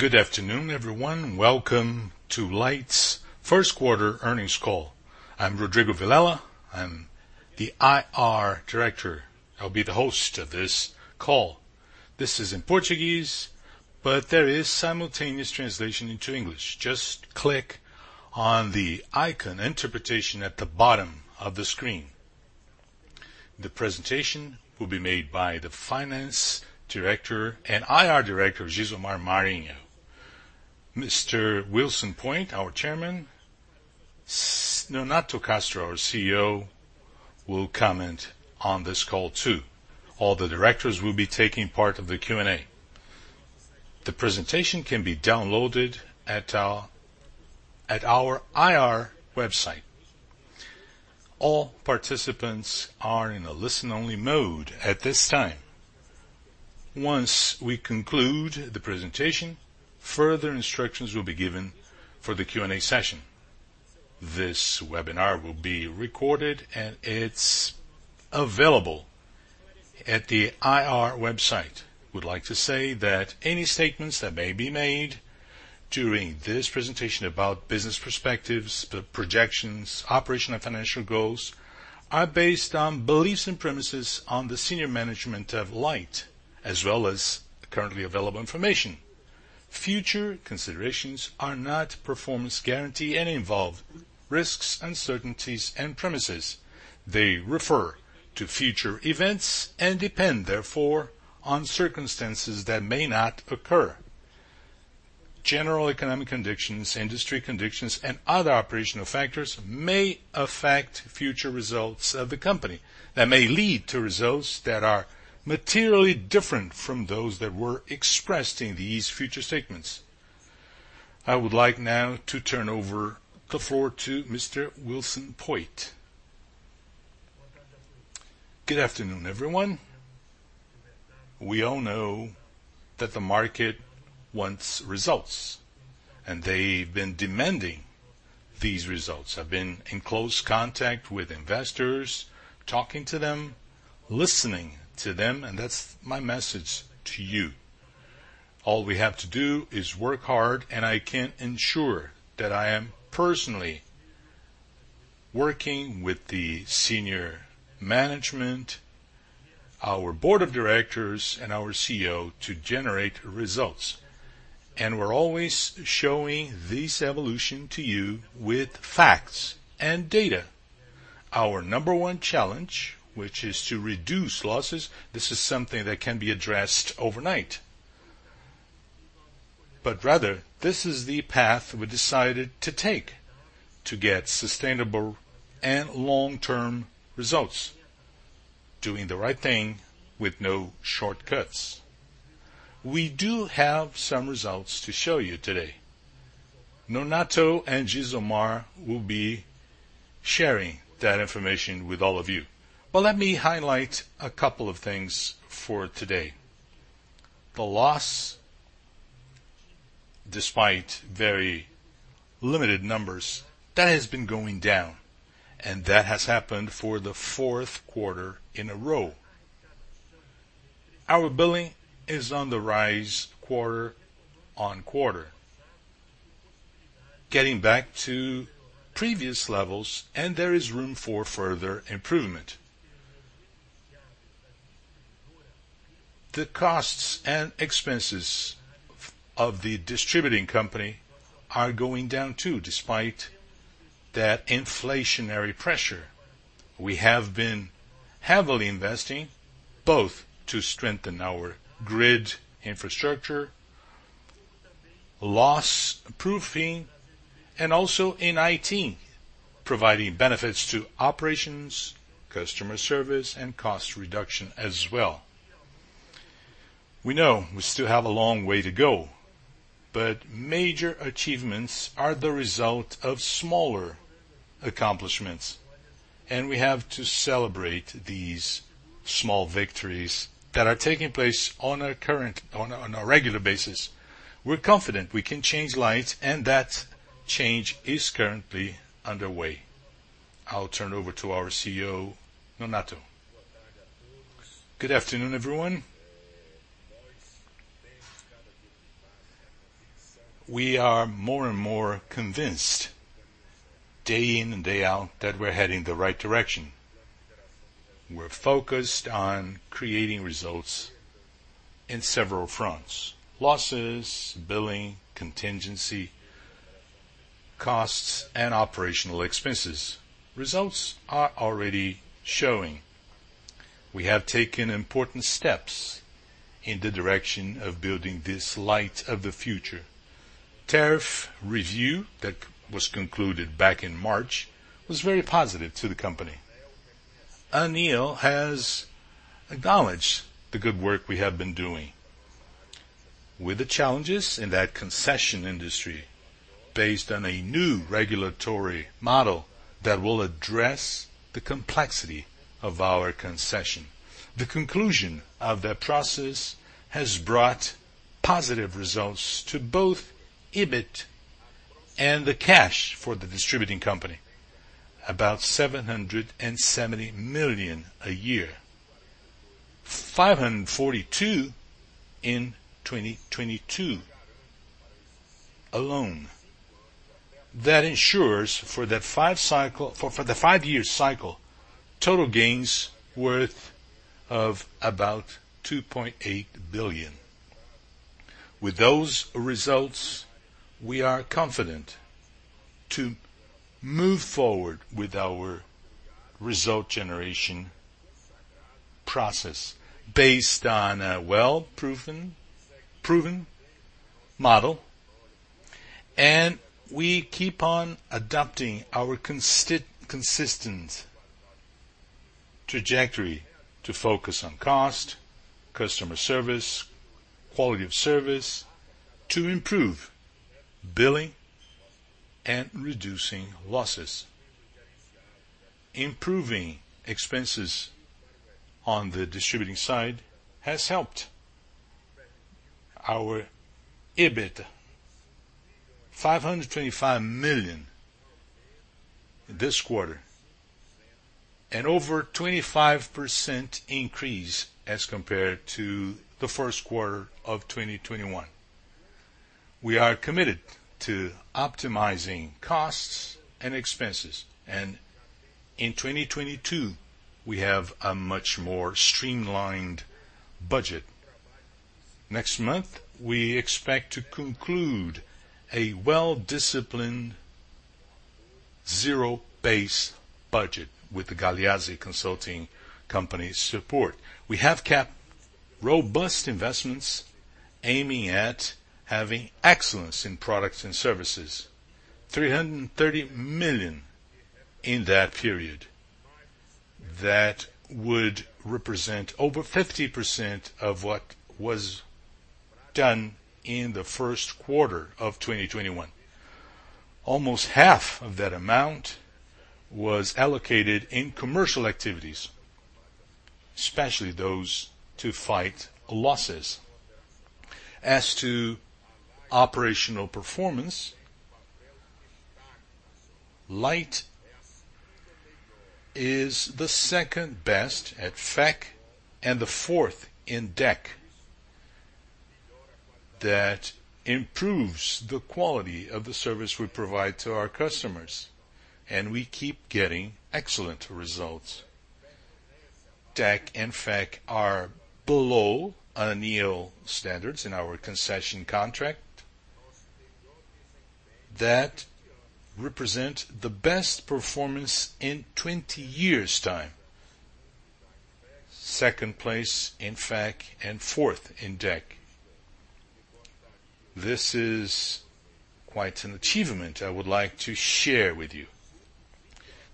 Good afternoon, everyone. Welcome to Light's first quarter earnings call. I'm Rodrigo Vilela. I'm the IR Director. I'll be the host of this call. This is in Portuguese, but there is simultaneous translation into English. Just click on the icon interpretation at the bottom of the screen. The presentation will be made by the Finance Director and IR Director, Gisomar Marinho. Mr. Wilson Poit, our Chairman, Nonato Castro, our CEO, will comment on this call too. All the directors will be taking part of the Q&A. The presentation can be downloaded at our IR website. All participants are in a listen-only mode at this time. Once we conclude the presentation, further instructions will be given for the Q&A session. This webinar will be recorded, and it's available at the IR website. would like to say that any statements that may be made during this presentation about business perspectives, the projections, operational and financial goals are based on beliefs and premises of the senior management of Light, as well as currently available information. Future considerations are not performance guarantees and involve risks, uncertainties, and premises. They refer to future events and depend, therefore, on circumstances that may not occur. General economic conditions, industry conditions, and other operational factors may affect future results of the company that may lead to results that are materially different from those that were expressed in these future statements. I would like now to turn over the floor to Mr. Wilson Poit. Good afternoon, everyone. We all know that the market wants results, and they've been demanding these results. I've been in close contact with investors, talking to them, listening to them, and that's my message to you. All we have to do is work hard, and I can ensure that I am personally working with the senior management, our board of directors, and our CEO to generate results. We're always showing this evolution to you with facts and data. Our number one challenge, which is to reduce losses, this is something that can be addressed overnight. Rather, this is the path we decided to take to get sustainable and long-term results, doing the right thing with no shortcuts. We do have some results to show you today. Nonato and Gisomar will be sharing that information with all of you. Let me highlight a couple of things for today. The loss, despite very limited numbers, that has been going down, and that has happened for the fourth quarter in a row. Our billing is on the rise quarter on quarter, getting back to previous levels, and there is room for further improvement. The costs and expenses of the distributing company are going down too, despite that inflationary pressure. We have been heavily investing both to strengthen our grid infrastructure, loss proofing, and also in IT, providing benefits to operations, customer service, and cost reduction as well. We know we still have a long way to go, but major achievements are the result of smaller accomplishments, and we have to celebrate these small victories that are taking place on a regular basis. We're confident we can change Light and that change is currently underway. I'll turn over to our CEO, Nonato. Good afternoon, everyone. We are more and more convinced day in and day out that we're heading the right direction. We're focused on creating results in several fronts, losses, billing, contingency, costs, and operational expenses. Results are already showing. We have taken important steps in the direction of building this Light of the future. Tariff review that was concluded back in March was very positive to the company. ANEEL has acknowledged the good work we have been doing with the challenges in that concession industry based on a new regulatory model that will address the complexity of our concession. The conclusion of that process has brought positive results to both EBIT and the cash for the distributing company, about 770 million a year. 542 million in 2022 alone. That ensures for that five-year cycle total gains worth of about 2.8 billion. With those results, we are confident to move forward with our result generation process based on a well proven model, and we keep on adapting our consistent trajectory to focus on cost, customer service, quality of service to improve billing and reducing losses. Improving expenses on the distributing side has helped our EBIT. 525 million this quarter, an over 25% increase as compared to the first quarter of 2021. We are committed to optimizing costs and expenses, and in 2022 we have a much more streamlined budget. Next month we expect to conclude a well-disciplined zero-based budget with Galeazzi consulting company's support. We have kept robust investments aiming at having excellence in products and services. 330 million in that period. That would represent over 50% of what was done in the first quarter of 2021. Almost half of that amount was allocated in commercial activities, especially those to fight losses. As to operational performance, Light is the second best at FEC and the fourth in DEC. That improves the quality of the service we provide to our customers, and we keep getting excellent results. DEC and FEC are below ANEEL standards in our concession contract. That represent the best performance in 20 years' time. Second place in FEC and fourth in DEC. This is quite an achievement I would like to share with you.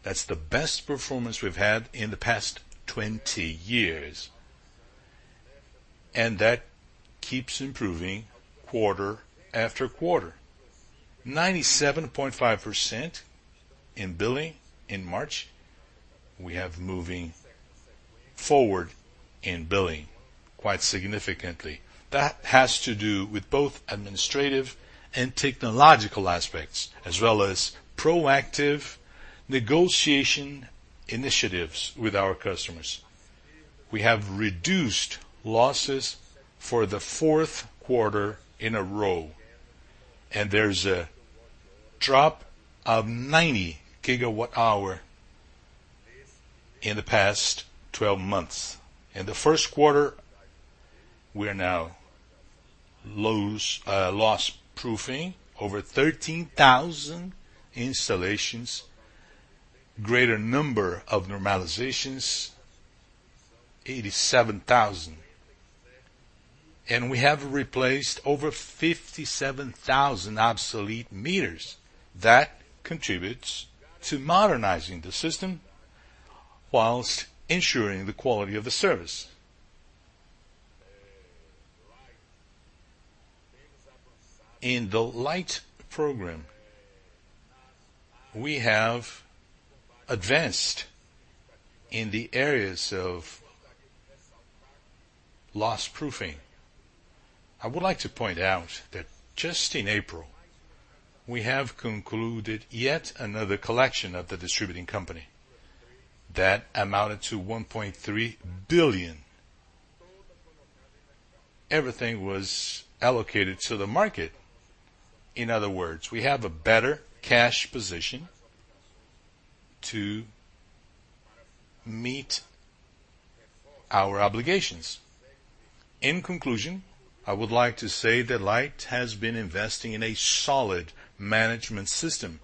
That's the best performance we've had in the past 20 years, and that keeps improving quarter after quarter. 97.5% in billing in March. We are moving forward in billing quite significantly. That has to do with both administrative and technological aspects, as well as proactive negotiation initiatives with our customers. We have reduced losses for the fourth quarter in a row, and there's a drop of 90 GWh in the past 12 months. In the first quarter, we are now loss-proofing over 13,000 installations, greater number of normalizations, 87,000, and we have replaced over 57,000 obsolete meters that contributes to modernizing the system while ensuring the quality of the service. In the Luz Legal program, we have advanced in the areas of loss-proofing. I would like to point out that just in April, we have concluded yet another collection of the distribution company that amounted to 1.3 billion. Everything was allocated to the market. In other words, we have a better cash position to meet our obligations. In conclusion, I would like to say that Light has been investing in a solid management system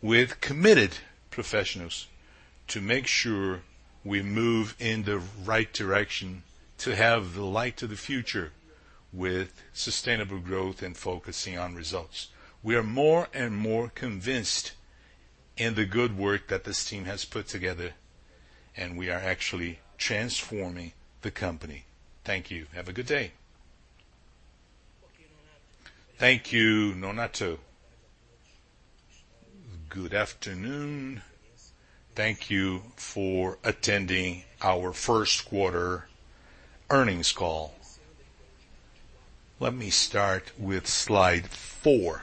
with committed professionals to make sure we move in the right direction to have the Light of the future with sustainable growth and focusing on results. We are more and more convinced in the good work that this team has put together, and we are actually transforming the company. Thank you. Have a good day. Thank you, Nonato. Good afternoon. Thank you for attending our first quarter earnings call. Let me start with slide four.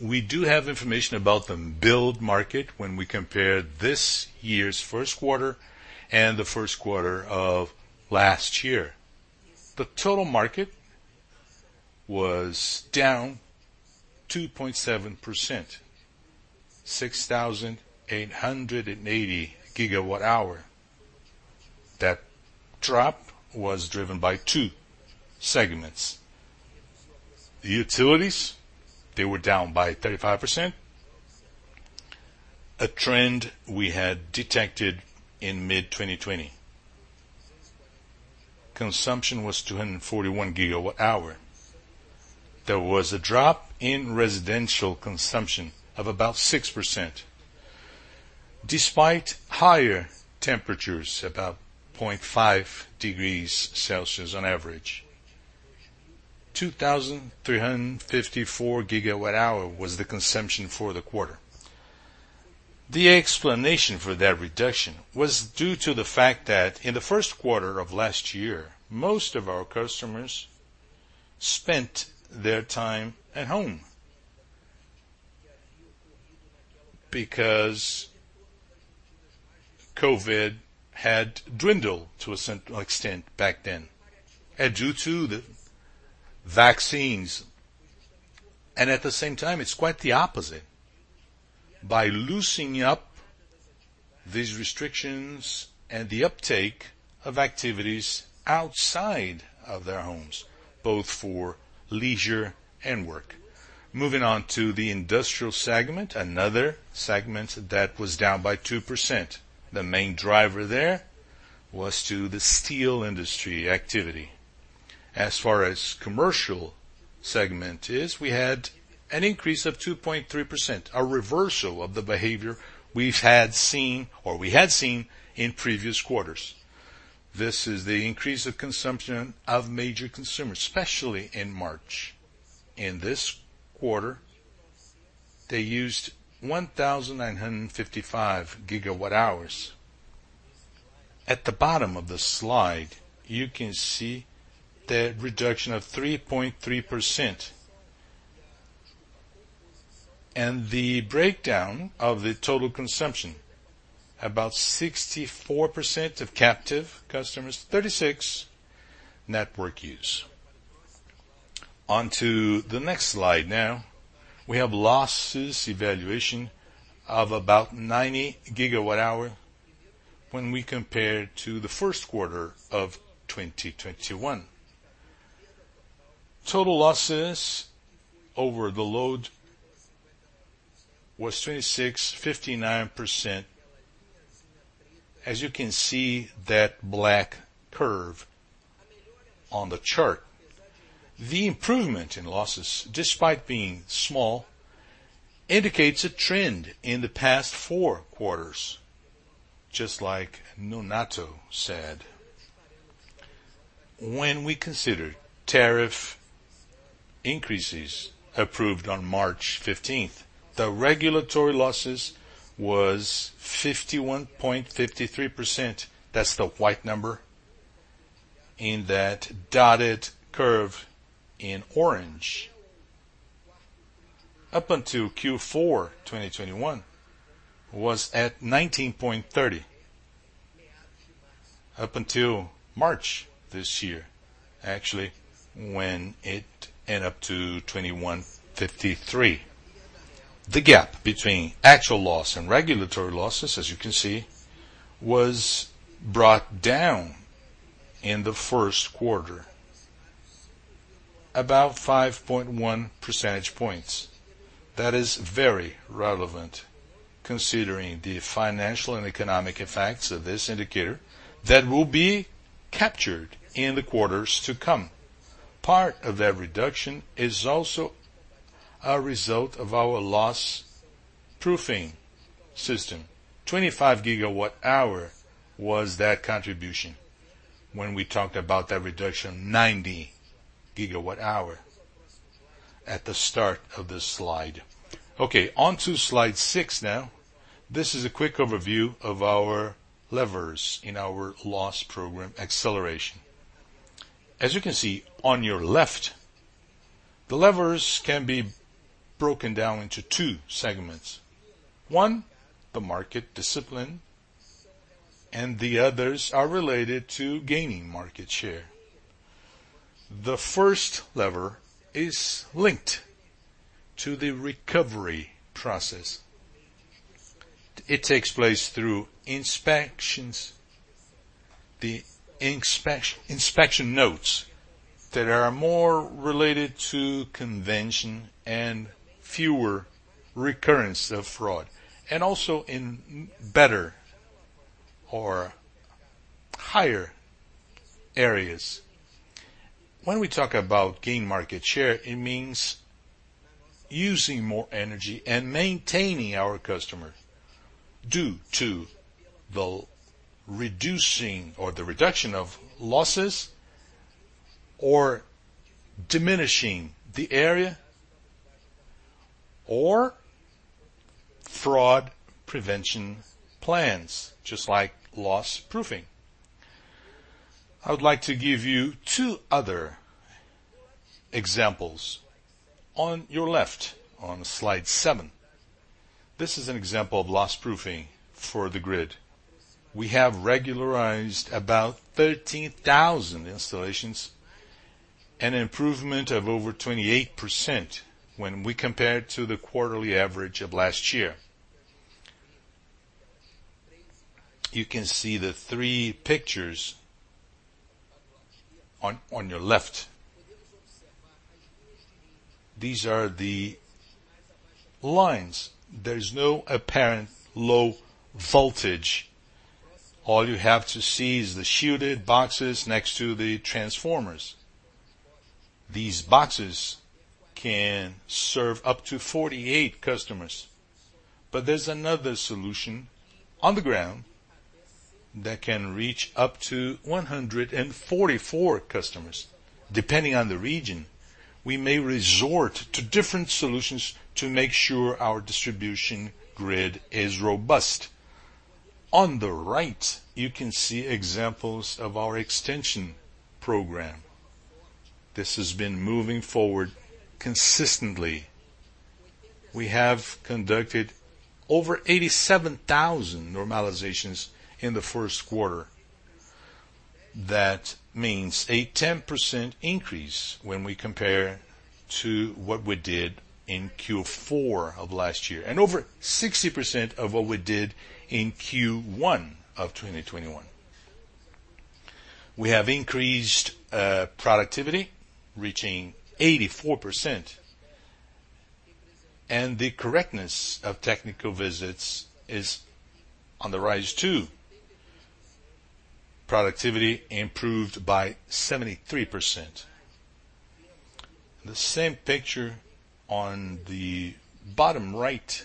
We do have information about the billed market when we compare this year's first quarter and the first quarter of last year. The total market was down 2.7%, 6,880 GWh. That drop was driven by two segments. The utilities, they were down by 35%, a trend we had detected in mid-2020. Consumption was 241 GWh. There was a drop in residential consumption of about 6% despite higher temperatures about 0.5 degrees Celsius on average. 2,354 GWh was the consumption for the quarter. The explanation for that reduction was due to the fact that in the first quarter of last year, most of our customers spent their time at home because COVID had dwindled to a certain extent back then, due to the vaccines. At the same time, it's quite the opposite, by loosening up these restrictions and the uptake of activities outside of their homes, both for leisure and work. Moving on to the industrial segment, another segment that was down by 2%. The main driver there was to the steel industry activity. As far as commercial segment is, we had an increase of 2.3%, a reversal of the behavior we had seen in previous quarters. This is the increase of consumption of major consumers, especially in March. In this quarter, they used 1,955 GW-hr. At the bottom of the slide, you can see the reduction of 3.3% and the breakdown of the total consumption, about 64% of captive customers, 36% network use. On to the next slide now. We have losses evaluation of about 90 GW-hours when we compare to the first quarter of 2021. Total losses over the load was 26.59%, as you can see the black curve on the chart. The improvement in losses, despite being small, indicates a trend in the past four quarters, just like Nonato said. When we consider tariff increases approved on March 15, the regulatory losses was 51.53%. That's the white number in that dotted curve in orange. Up until Q4 2021 was at 19.30%. Up until March this year, actually, when it ended up at 21.53%. The gap between actual loss and regulatory losses, as you can see, was brought down in the first quarter about 5.1 percentage points. That is very relevant considering the financial and economic effects of this indicator that will be captured in the quarters to come. Part of that reduction is also a result of our loss-proofing system. 25 GW-hr was that contribution when we talked about that reduction, 90 GW-hr at the start of this slide. Okay, on to slide six now. This is a quick overview of our levers in our loss program acceleration. As you can see on your left, the levers can be broken down into two segments. One, the market discipline, and the others are related to gaining market share. The first lever is linked to the recovery process. It takes place through inspections, the inspection notes that are more related to connection and fewer recurrence of fraud, and also in better or higher areas. When we talk about gain market share, it means using more energy and maintaining our customer due to the reducing or the reduction of losses or diminishing the area or fraud prevention plans, just like loss proofing. I would like to give you two other examples. On your left, on slide seven, this is an example of loss proofing for the grid. We have regularized about 13,000 installations, an improvement of over 28% when we compare it to the quarterly average of last year. You can see the three pictures on your left. These are the lines. There's no apparent low voltage. All you have to see is the shielded boxes next to the transformers. These boxes can serve up to 48 customers. But there's another solution on the ground that can reach up to 144 customers. Depending on the region, we may resort to different solutions to make sure our distribution grid is robust. On the right, you can see examples of our extension program. This has been moving forward consistently. We have conducted over 87,000 normalizations in the first quarter. That means a 10% increase when we compare to what we did in Q4 of last year, and over 60% of what we did in Q1 of 2021. We have increased productivity reaching 84%. The correctness of technical visits is on the rise too. Productivity improved by 73%. The same picture on the bottom right,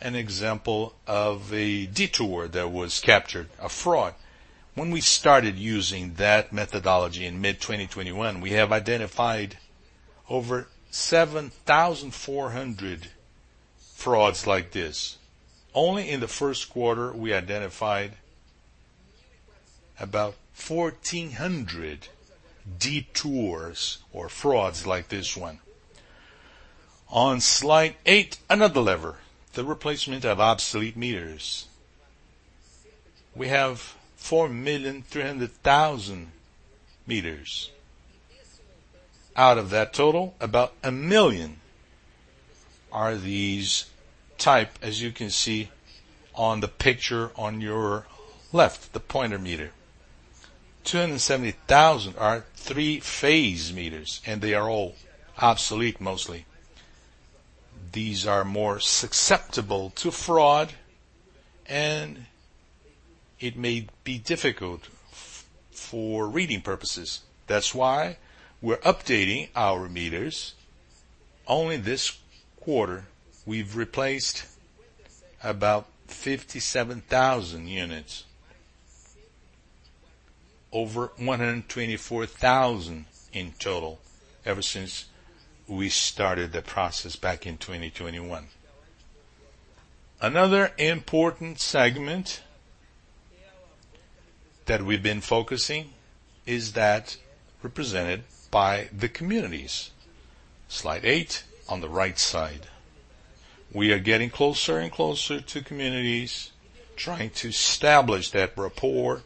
an example of a detour that was captured, a fraud. When we started using that methodology in mid-2021, we have identified over 7,400 frauds like this. Only in the first quarter, we identified about 1,400 detours or frauds like this one. On slide eight, another lever, the replacement of obsolete meters. We have 4,300,000 meters. Out of that total, about a million are these type, as you can see on the picture on your left, the pointer meter. 270,000 are three-phase meters, and they are all obsolete mostly. These are more susceptible to fraud, and it may be difficult for reading purposes. That's why we're updating our meters. Only this quarter, we've replaced about 57,000 units. Over 124,000 in total ever since we started the process back in 2021. Another important segment that we've been focusing is that represented by the communities. Slide eight on the right side. We are getting closer and closer to communities, trying to establish that rapport,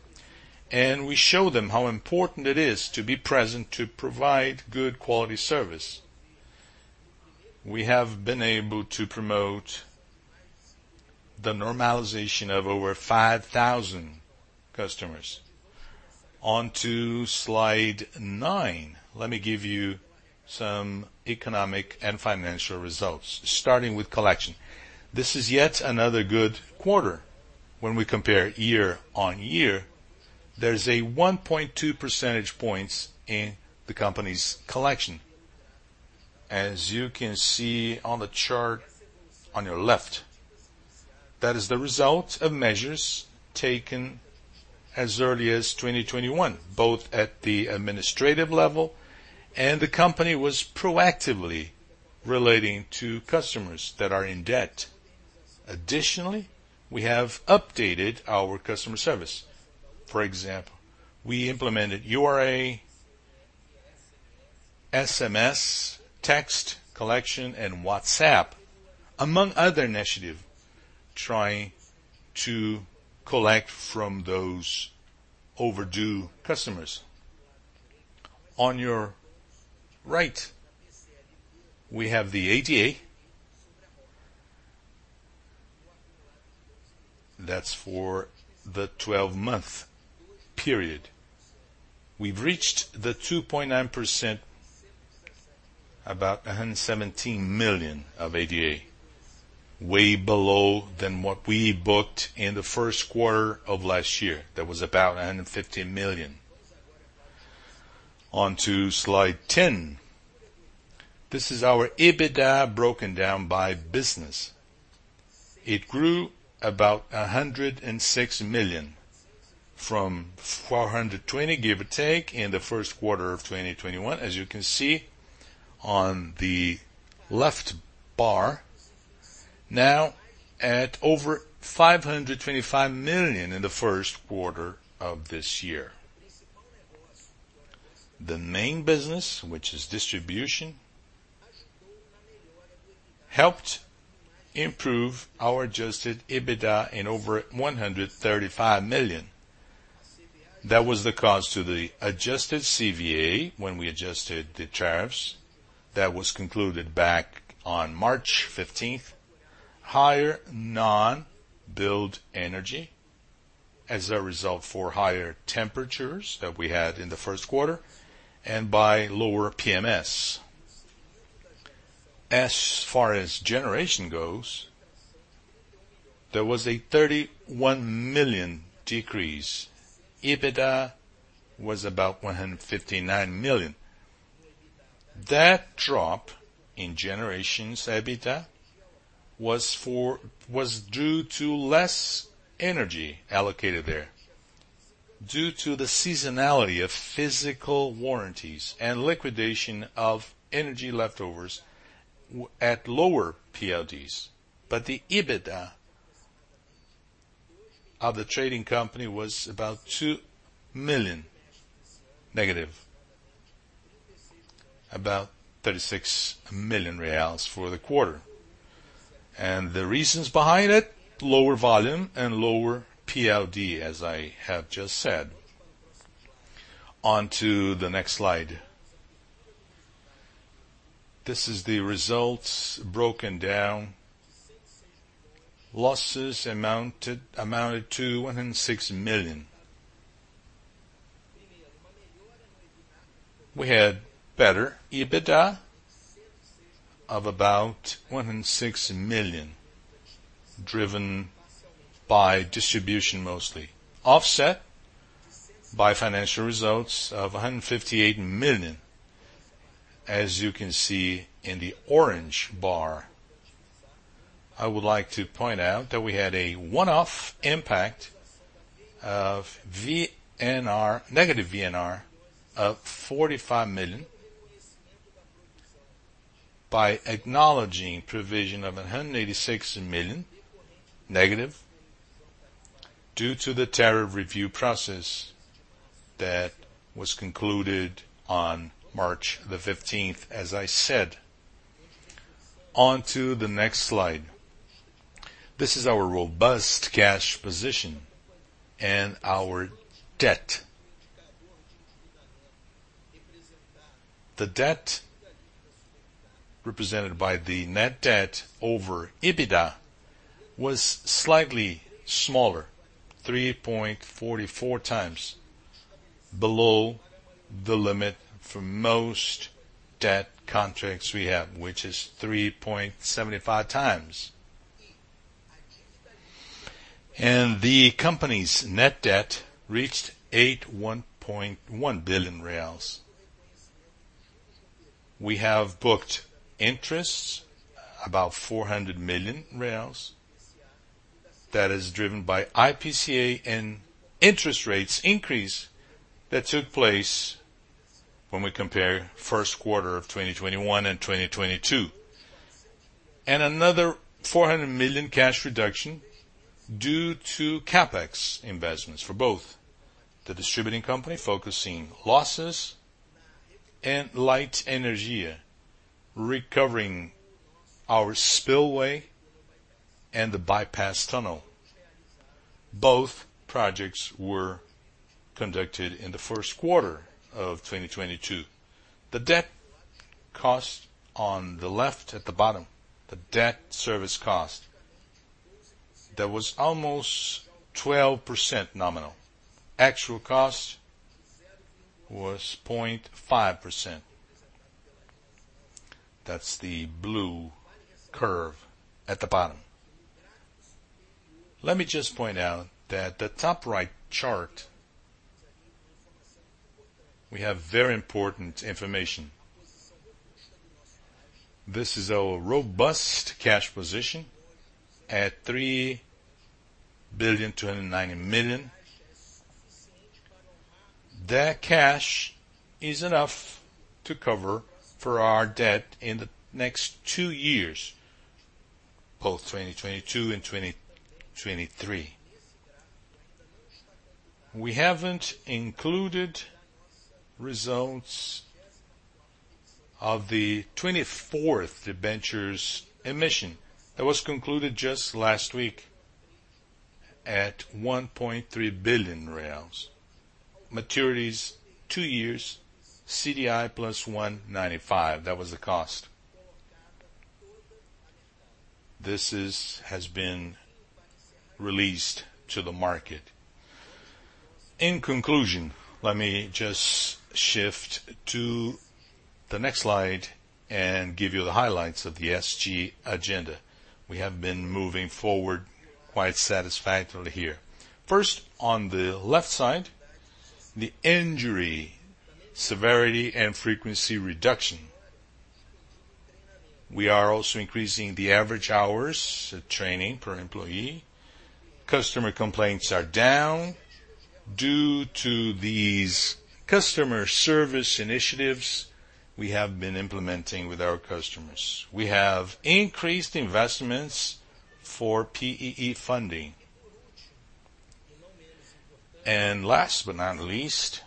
and we show them how important it is to be present to provide good quality service. We have been able to promote the normalization of over 5,000 customers. On to slide nine, let me give you some economic and financial results, starting with collection. This is yet another good quarter when we compare year-on-year. There's a 1.2 percentage points in the company's collection, as you can see on the chart on your left. That is the result of measures taken as early as 2021, both at the administrative level and the company was proactively relating to customers that are in debt. Additionally, we have updated our customer service. For example, we implemented URA, SMS, text collection, and WhatsApp, among other initiatives, trying to collect from those overdue customers. On your right, we have the ADA. That's for the twelve-month period. We've reached the 2.9%, about 117 million of ADA, way below than what we booked in the first quarter of last year. That was about 150 million. On to slide 10. This is our EBITDA broken down by business. It grew about 106 million from 420 million, give or take, in the first quarter of 2021, as you can see on the left bar. Now at over 525 million in the first quarter of this year. The main business, which is distribution, helped improve our adjusted EBITDA in over 135 million. That was the cause to the adjusted CVA when we adjusted the tariffs that was concluded back on March 15th. Higher non-billed energy as a result for higher temperatures that we had in the first quarter and by lower PMSO. As far as generation goes, there was a 31 million decrease. EBITDA was about 159 million. That drop in generations EBITDA was due to less energy allocated there due to the seasonality of physical warranties and liquidation of energy leftovers at lower PLDs. The EBITDA of the trading company was about -2 million, about 36 million reais for the quarter. The reasons behind it, lower volume and lower PLD, as I have just said. On to the next slide. This is the results broken down. Losses amounted to BRL 106 million. We had better EBITDA of about 106 million, driven by distribution mostly, offset by financial results of 158 million, as you can see in the orange bar. I would like to point out that we had a one-off impact of VNR negative VNR of 45 million by acknowledging provision of a hundred and eighty-six million negative due to the tariff review process that was concluded on March 15th, as I said. On to the next slide. This is our robust cash position and our debt. The debt represented by the net debt over EBITDA was slightly smaller, 3.44x below the limit for most debt contracts we have, which is 3.75x. The company's net debt reached BRL 81.1 billion. We have booked interests about 400 million reais. That is driven by IPCA and interest rates increase that took place when we compare first quarter of 2021 and 2022. Another 400 million cash reduction due to CapEx investments for both the distributing company focusing losses and Light Energia recovering our spillway and the bypass tunnel. Both projects were conducted in the first quarter of 2022. The debt cost on the left at the bottom, the debt service cost, that was almost 12% nominal. Actual cost was 0.5%. That's the blue curve at the bottom. Let me just point out that the top right chart, we have very important information. This is our robust cash position at 3.29 billion. That cash is enough to cover for our debt in the next two years, both 2022 and 2023. We haven't included results of the 24th debentures emission that was concluded just last week at BRL 1.3 billion. Maturities two years, CDI + 1.95%. That was the cost. has been released to the market. In conclusion, let me just shift to the next slide and give you the highlights of the ESG agenda. We have been moving forward quite satisfactorily here. First, on the left side, the injury severity and frequency reduction. We are also increasing the average hours of training per employee. Customer complaints are down. Due to these customer service initiatives we have been implementing with our customers, we have increased investments for PEE funding. Last but not least,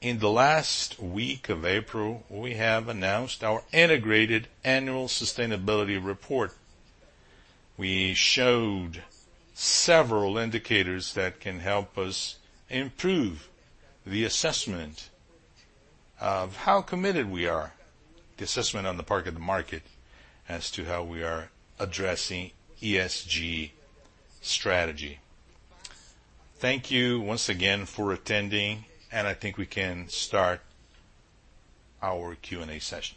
in the last week of April, we have announced our integrated annual sustainability report. We showed several indicators that can help us improve the assessment of how committed we are, the assessment on the part of the market as to how we are addressing ESG strategy. Thank you once again for attending, and I think we can start our Q&A session.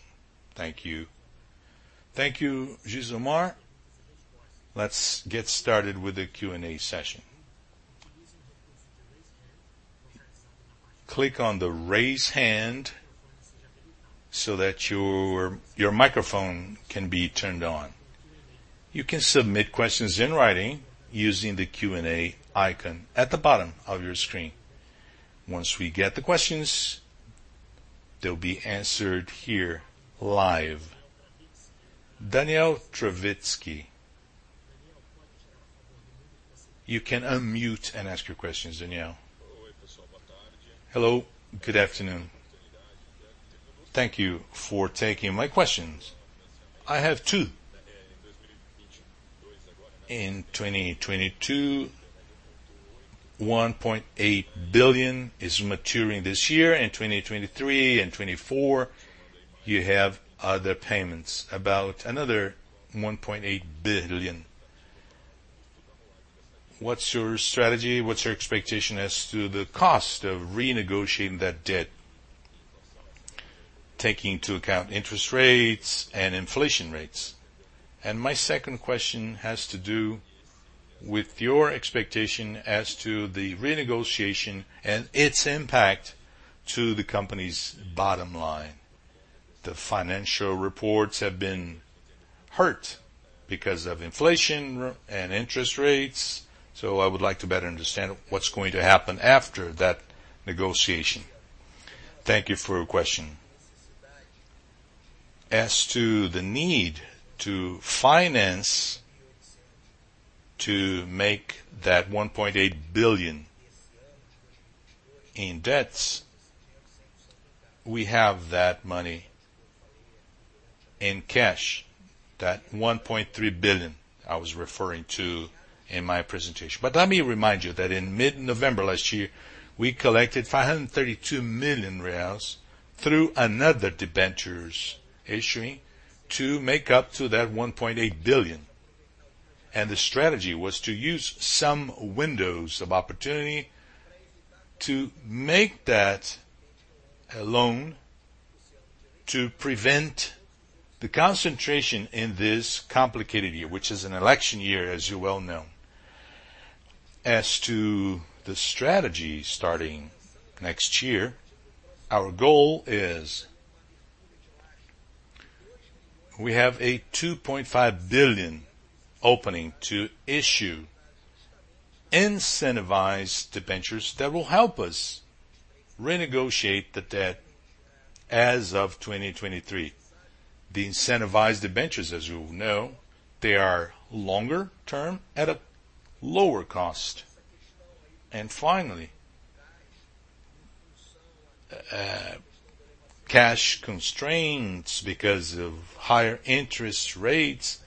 Thank you. Thank you, Gisomar. Let's get started with the Q&A session. Click on the Raise Hand so that your microphone can be turned on. You can submit questions in writing using the Q&A icon at the bottom of your screen. Once we get the questions, they'll be answered here live. Daniel Travitzky. You can unmute and ask your questions, Daniel. Hello, good afternoon. Thank you for taking my questions. I have two. In 2022, 1.8 billion is maturing this year. In 2023 and 2024, you have other payments, about another 1.8 billion. What's your strategy? What's your expectation as to the cost of renegotiating that debt, taking into account interest rates and inflation rates? My second question has to do with your expectation as to the renegotiation and its impact to the company's bottom line. The financial reports have been hurt because of inflation and interest rates, so I would like to better understand what's going to happen after that negotiation. Thank you for your question. As to the need to finance to make that 1.8 billion in debt, we have that money in cash, that 1.3 billion I was referring to in my presentation. But let me remind you that in mid-November last year, we collected 532 million reais through another debenture issuance to make up to that 1.8 billion. The strategy was to use some windows of opportunity to take that loan to prevent the concentration in this complicated year, which is an election year, as you well know. As to the strategy starting next year, our goal is we have a 2.5 billion opening to issue incentivized debentures that will help us renegotiate the debt as of 2023. The incentivized debentures, as you know, they are longer term at a lower cost. Finally, cash constraints because of higher interest rates,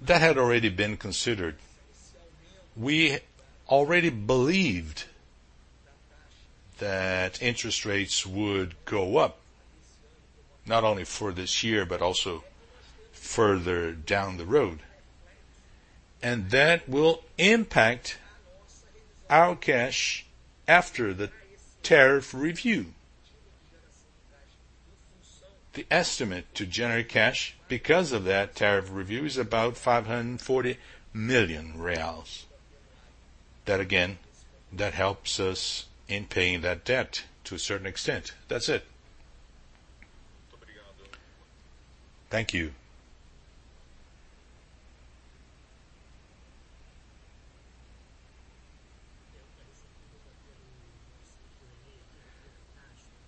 that had already been considered. We already believed that interest rates would go up, not only for this year, but also further down the road. That will impact our cash after the tariff review. The estimate to generate cash because of that tariff review is about 540 million reais. That again, that helps us in paying that debt to a certain extent. That's it. Thank you. Thank you.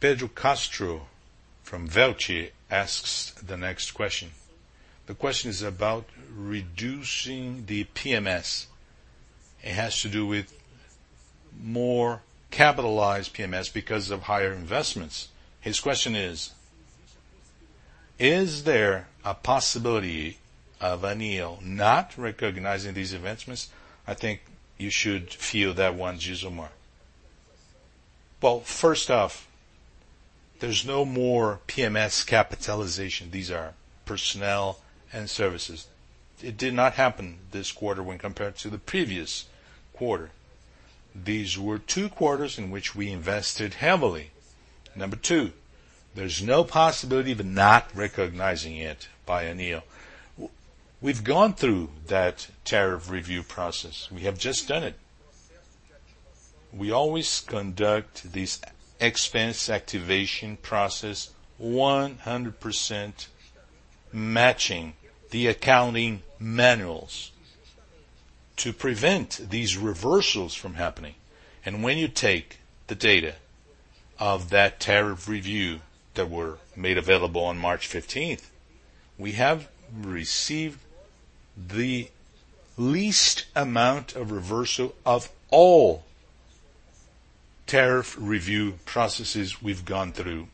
Pedro Castro from VELT Partners asks the next question. The question is about reducing the PMS. It has to do with more capitalized PMS because of higher investments. His question is there a possibility of ANEEL not recognizing these investments? I think you should field that one, Gisomar. Well, first off, there's no more PMS capitalization. These are personnel and services. It did not happen this quarter when compared to the previous quarter. These were two quarters in which we invested heavily. Number two, there's no possibility of not recognizing it by ANEEL. We've gone through that tariff review process. We have just done it. We always conduct this expense activation process 100% matching the accounting manuals to prevent these reversals from happening. When you take the data of that tariff review that were made available on March fifteenth, we have received the least amount of reversal of all tariff review processes we've gone through.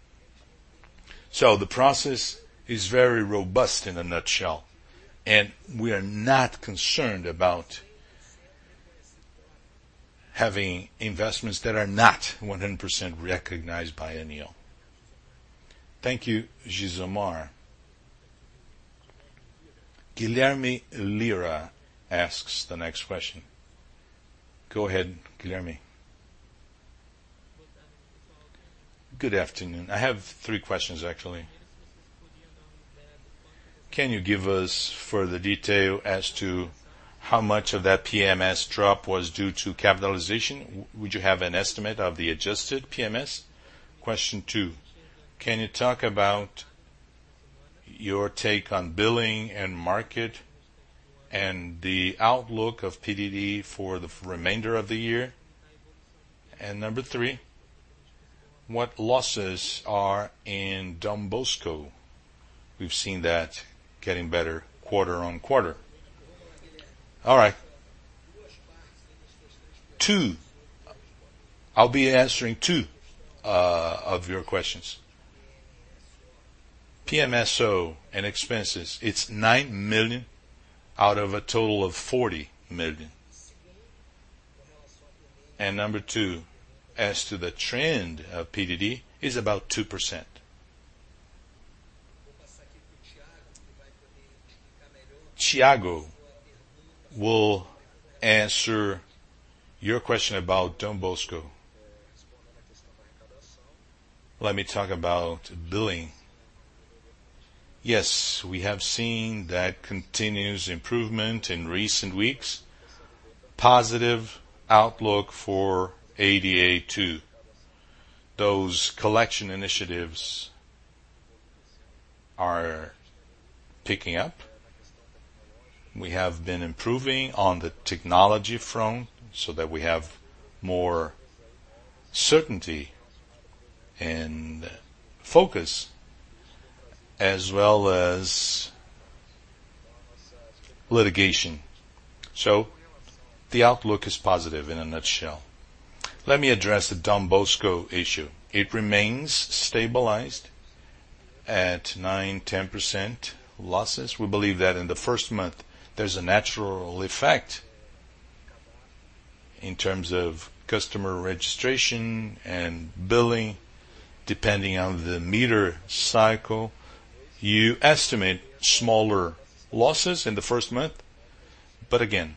The process is very robust in a nutshell, and we are not concerned about having investments that are not 100% recognized by ANEEL. Thank you, Gisomar. Guilherme Lima asks the next question. Go ahead, Guilherme. Good afternoon. I have three questions, actually. Can you give us further detail as to how much of that PMS drop was due to capitalization? Would you have an estimate of the adjusted PMSO? Question two, can you talk about your take on billing and market and the outlook of PDD for the remainder of the year? And number three, what losses are in Dom Bosco? We've seen that getting better quarter on quarter. All right. Two. I'll be answering two of your questions. PMSO and expenses, it's 9 million out of a total of 40 million. Number two, as to the trend of PDD is about 2%. Thiago will answer your question about Dom Bosco. Let me talk about billing. Yes, we have seen that continuous improvement in recent weeks. Positive outlook for ADA, too. Those collection initiatives are picking up. We have been improving on the technology front so that we have more certainty and focus as well as litigation. The outlook is positive in a nutshell. Let me address the Dom Bosco issue. It remains stabilized at 9%-10% losses. We believe that in the first month, there's a natural effect in terms of customer registration and billing, depending on the meter cycle. You estimate smaller losses in the first month. Again,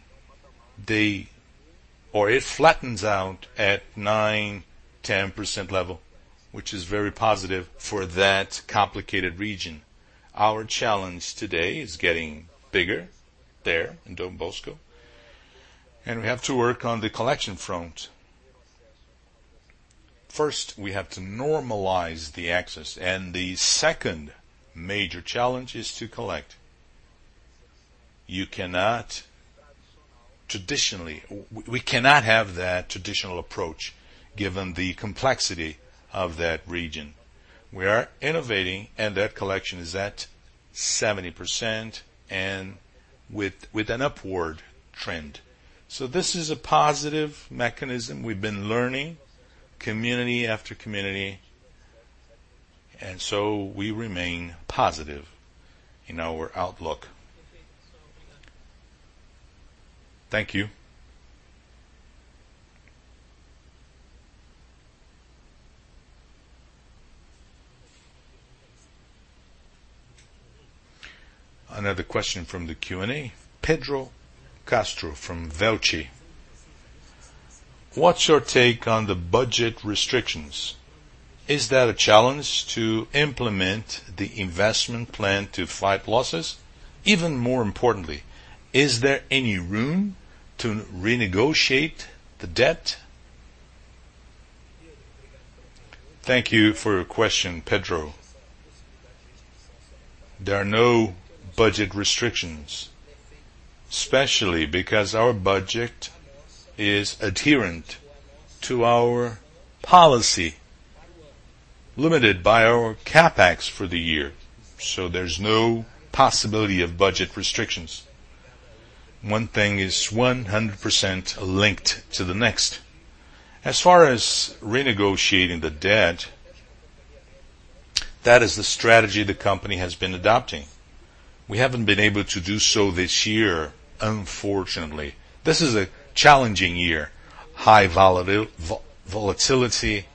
they or it flattens out at 9%-10% level, which is very positive for that complicated region. Our challenge today is getting bigger there in Dom Bosco, and we have to work on the collection front. First, we have to normalize the access, and the second major challenge is to collect. We cannot have that traditional approach, given the complexity of that region. We are innovating, and that collection is at 70% with an upward trend. This is a positive mechanism. We've been learning community after community. We remain positive in our outlook. Thank you. Another question from the Q&A. Pedro Castro from VELT Partners. What's your take on the budget restrictions? Is that a challenge to implement the investment plan to fight losses? Even more importantly, is there any room to renegotiate the debt? Thank you for your question, Pedro. There are no budget restrictions, especially because our budget is adherent to our policy limited by our CapEx for the year. There's no possibility of budget restrictions. One thing is 100% linked to the next. As far as renegotiating the debt, that is the strategy the company has been adopting. We haven't been able to do so this year, unfortunately. This is a challenging year. High volatility.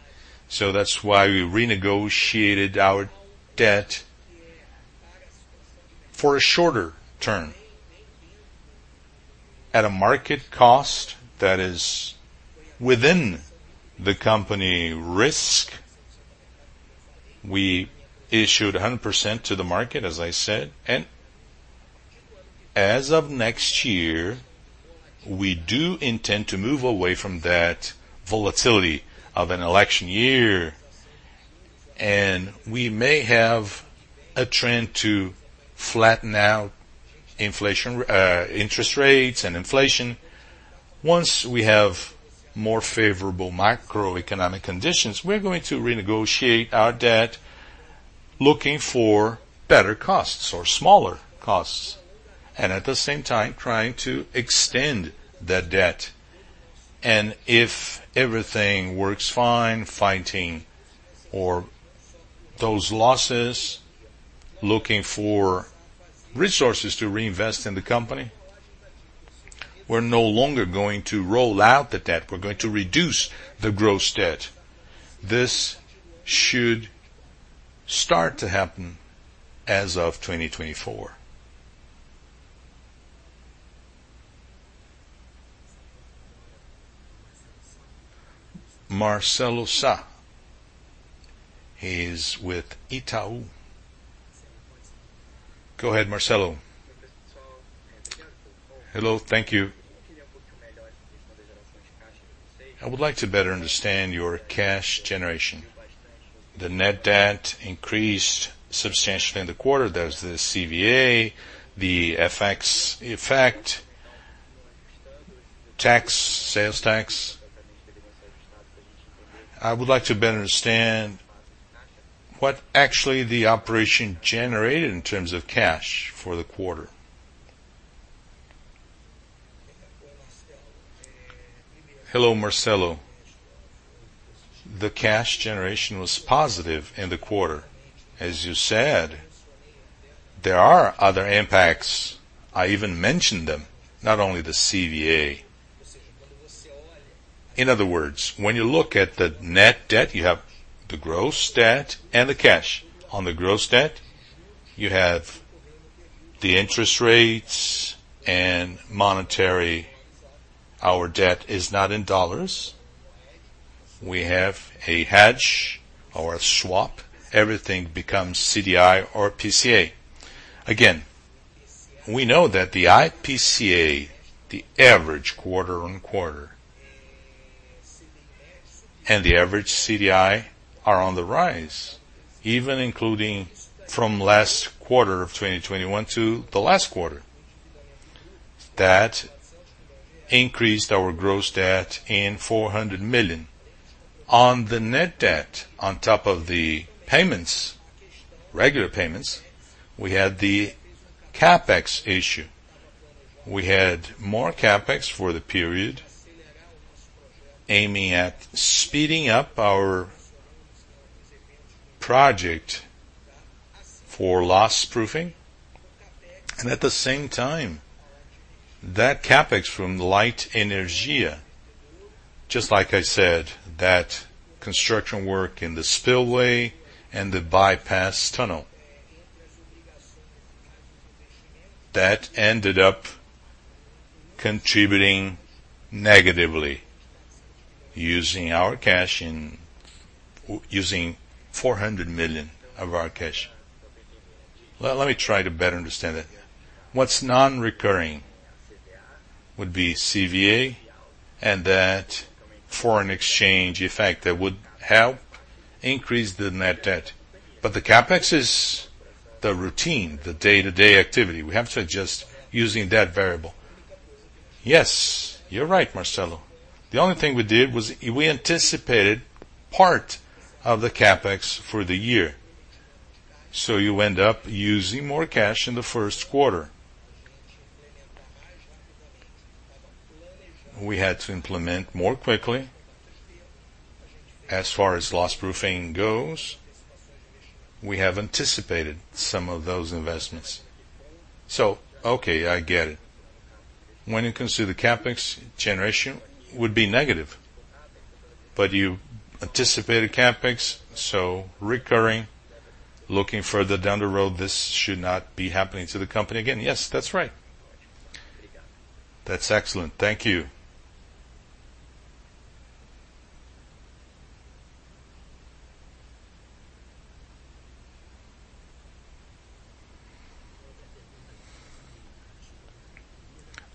That's why we renegotiated our debt for a shorter term. At a market cost that is within the company risk, we issued 100% to the market, as I said. As of next year, we do intend to move away from that volatility of an election year, and we may have a trend to flatten out inflation, interest rates and inflation. Once we have more favorable macroeconomic conditions, we're going to renegotiate our debt, looking for better costs or smaller costs, and at the same time trying to extend that debt. If everything works fine, fighting those losses, looking for resources to reinvest in the company, we're no longer going to roll over the debt. We're going to reduce the gross debt. This should start to happen as of 2024. Marcelo Sá is with Itaú BBA. Go ahead, Marcelo. Hello. Thank you. I would like to better understand your cash generation. The net debt increased substantially in the quarter. There's the CVA, the FX effect, tax, sales tax. I would like to better understand what actually the operation generated in terms of cash for the quarter. Hello, Marcelo. The cash generation was positive in the quarter. As you said, there are other impacts. I even mentioned them, not only the CVA. In other words, when you look at the net debt, you have the gross debt and the cash. On the gross debt, you have the interest rates and monetary. Our debt is not in dollars. We have a hedge or a swap. Everything becomes CDI or IPCA. Again, we know that the IPCA, the average quarter-on-quarter, and the average CDI are on the rise, even including from last quarter of 2021 to the last quarter. That increased our gross debt in 400 million. On the net debt, on top of the payments, regular payments, we had the CapEx issue. We had more CapEx for the period aiming at speeding up our project for loss proofing, and at the same time, that CapEx from Light Energia, just like I said, that construction work in the spillway and the bypass tunnel. That ended up contributing negatively, using 400 million of our cash. Let me try to better understand that. What's non-recurring would be CVA and that foreign exchange effect that would help increase the net debt. The CapEx is the routine, the day-to-day activity. We have to adjust using that variable. Yes, you're right, Marcelo. The only thing we did was we anticipated part of the CapEx for the year. You end up using more cash in the first quarter. We had to implement more quickly. As far as loss proofing goes, we have anticipated some of those investments. Okay, I get it. When it comes to the CapEx generation would be negative, but you anticipated CapEx, so recurring, looking further down the road, this should not be happening to the company again. Yes, that's right. That's excellent. Thank you.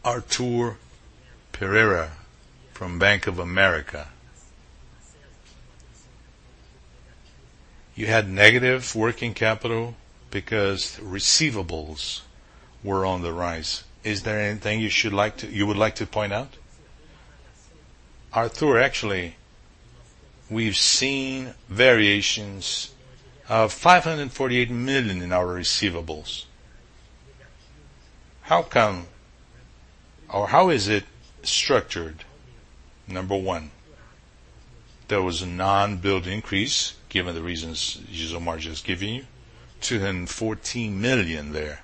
Arthur Pereira from Bank of America. You had negative working capital because receivables were on the rise. Is there anything you would like to point out? Arthur, actually, we've seen variations of 548 million in our receivables. How come or how is it structured? Number one, there was a non-billed increase, given the reasons Gisomar just gave you, 214 million there.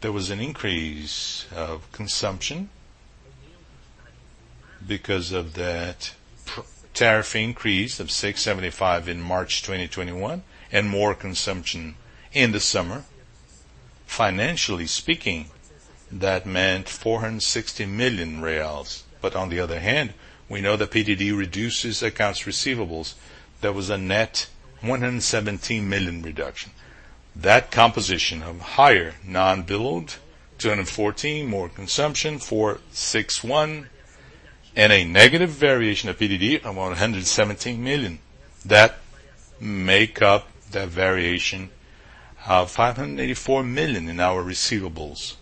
There was an increase of consumption because of that tariff increase of 6.75% in March 2021 and more consumption in the summer. Financially speaking, that meant 460 million reais. On the other hand, we know that PDD reduces accounts receivables. There was a net 117 million reduction. That composition of higher non-billed, 214 million, more consumption, 461 million, and a negative variation of PDD of 117 million, that make up that variation of 584 million in our receivables.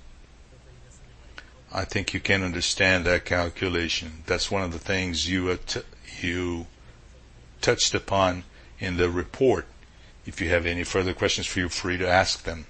I think you can understand that calculation. That's one of the things you touched upon in the report. If you have any further questions, feel free to ask them.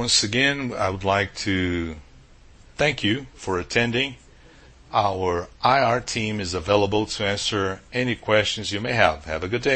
Once again, I would like to thank you for attending. Our IR team is available to answer any questions you may have. Have a good day.